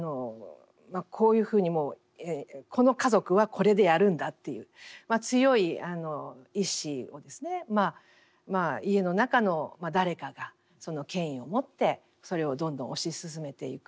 こういうふうにもうこの家族はこれでやるんだっていう強い意志を家の中の誰かがその権威をもってそれをどんどん推し進めていく。